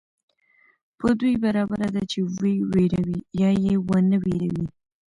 په دوى برابره ده چي وئې وېروې يا ئې ونه وېروې